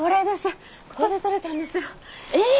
ここでとれたんですよ。え？